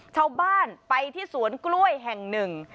ชาวบ้านไปที่สวนกล้วยแห่งหนึ่ง